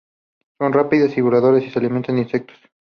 Son rápidas voladoras y se alimentan de insectos.